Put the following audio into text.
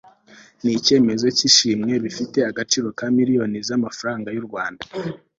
n icyemezo cy ishimwe bifite agaciro ka miliyoni z amafaranga y u rwanda